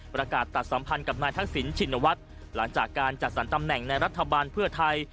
ประกาศตัดสัมพันธ์กับนายทักษิณชินวัฒน์หลังจากการจัดสรรตำแหน่งในรัฐบาลเพื่อไทย